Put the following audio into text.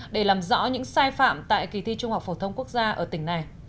để làm rõ những sai phạm tại kỳ thi trung học phổ thông quốc gia ở tỉnh này